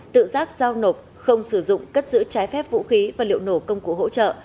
tự giác giao nộp không sử dụng cất giữ trái phép vũ khí và liệu nổ công cụ hỗ trợ